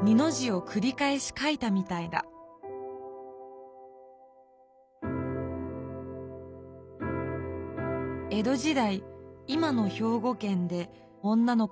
江戸時代今の兵庫県で女の子がよんだ俳句。